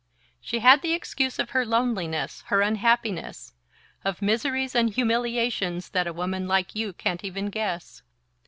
"She had the excuse of her loneliness, her unhappiness of miseries and humiliations that a woman like you can't even guess.